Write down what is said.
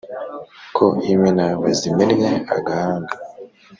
ko imena bazimennye agahanga